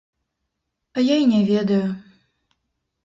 А я й не ведаю.